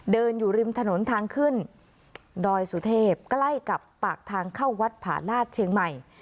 อยู่ริมถนนทางขึ้นดอยสุเทพใกล้กับปากทางเข้าวัดผาลาศเชียงใหม่